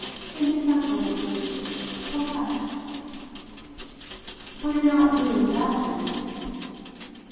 Indispensable, please, for what?" "For your not being without him."